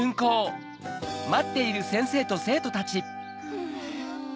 うん。